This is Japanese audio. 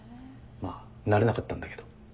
まあなれなかったんだけど。